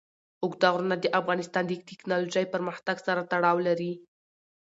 اوږده غرونه د افغانستان د تکنالوژۍ پرمختګ سره تړاو لري.